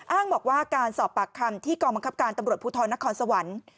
อ้างบอกว่าการสอบปากคำที่กองบังคับการตำรวจภูทรนครสวรรค์